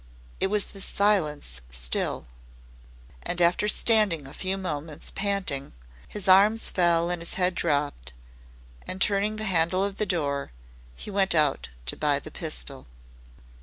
It was the Silence still. And after standing a few moments panting, his arms fell and his head dropped, and turning the handle of the door, he went out to buy the pistol.